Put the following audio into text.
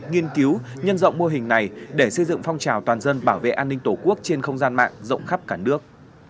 nghiên cứu nhân rộng mô hình này để xây dựng phong trào toàn dân bảo vệ an ninh tổ quốc trên không gian mạng rộng khắp cả nước